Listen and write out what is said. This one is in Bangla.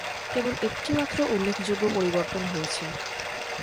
কেবল একটিমাত্র উল্লেখযোগ্য পরিবর্তন হয়েছে।